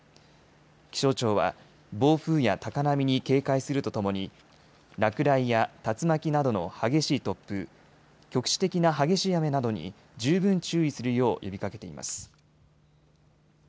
気象庁は暴風や高波に警戒するとともに落雷や竜巻などの激しい突風、局地的な激しい雨などに十分注意するよう呼びかけています。